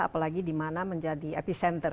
apalagi di mana menjadi epicenter